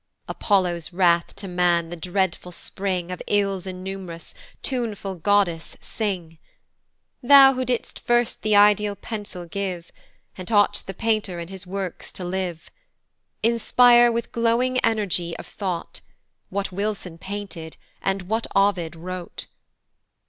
APOLLO's wrath to man the dreadful spring Of ills innum'rous, tuneful goddess, sing! Thou who did'st first th' ideal pencil give, And taught'st the painter in his works to live, Inspire with glowing energy of thought, What Wilson painted, and what Ovid wrote.